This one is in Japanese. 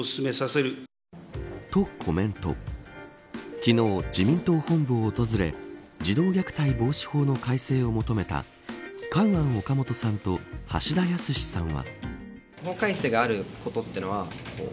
昨日、自民党本部を訪れ児童虐待防止法の改正を求めたカウアン・オカモトさんと橋田康さんは。